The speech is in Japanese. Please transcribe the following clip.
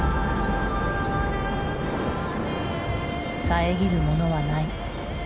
遮るものはない。